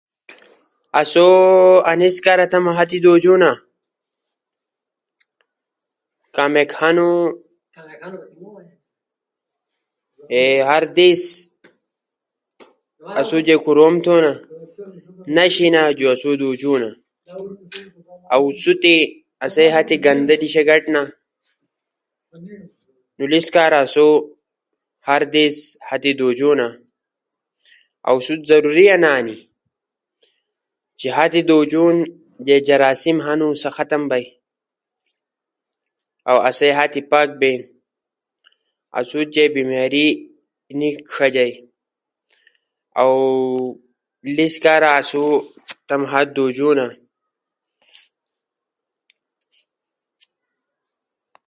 آسو انیس کارا تمو ہات دھوجونا کے آسو ہر دیس کوروم تھونا با ہات گندا بیلی۔ ہات نشنا تو آسو دھوجونا۔ اؤ سادی آسئی ہات گندا دیشا گھٹنا، نو لیس کارا آسو روزانہ ہات دھوجونا۔ اؤ سا ضروری انا ہنی کے ہات در سا جراثیم ہنی دھوجو ست ختم بئی۔ اسئی ہات پاک بئی۔ آسو جے بیماری نی ݜجئی۔ نو لیس کارا آسو تمو ہات دھوجونا کہ پاک بیلی۔ گولے تی مݜو ہات دھوجونا، گولے کئی بعد ہات دھوجونا، ڙاد در ہات دھوجونا، آودسا کئی ہات دھوجونا۔ جے کوروم تھونو نو کوروم کئی بعد ہات دھوجونا۔ ہات دھوجونو در آسئی ہات در جراثیم نی ݜجنی، آسئی بدن پاک بیلی۔ کہ آسئی گولے تی مݜو ہات نی دھوجونا سا آسئی ہات در جے جراثیم ݜجنی سا آسئی بدنا تی بجنی با جے جراثیم آسئی ڈھیرے در بجنی سا آسئی بیماری سبب سپارا بجنی۔ با آسو بیمار بیلو۔ نو صفائی نصف ایمان ہنی، انیس کارا اسو تمو بدنی صفائی خاص خیال رݜونا۔ ہات دھوجونا، لامبو دھوجونا۔ کے آسو پاک صاف بینی۔